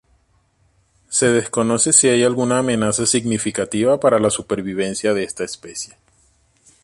Se desconoce si hay alguna amenaza significativa para la supervivencia de esta especie.